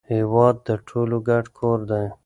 هیواد د ټولو ګډ کور دی.